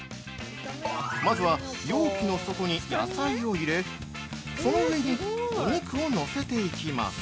◆まずは、容器の底に野菜を入れその上にお肉をのせていきます。